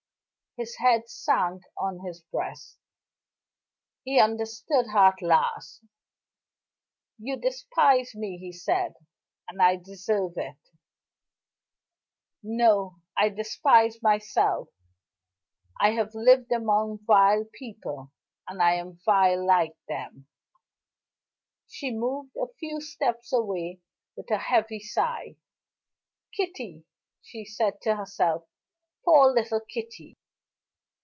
His head sank on his breast; he understood her at last. "You despise me," he said, "and I deserve it." "No; I despise myself. I have lived among vile people; and I am vile like them." She moved a few steps away with a heavy sigh. "Kitty!" she said to herself. "Poor little Kitty!"